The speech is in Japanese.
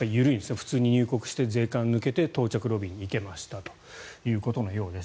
普通に入国して税関を抜けて到着ロビーに行けましたということのようです。